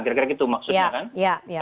kira kira gitu maksudnya kan